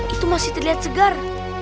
itu masih terlihat segar